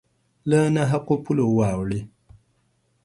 له نا حقو پولو واوړي